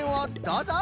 どうぞ。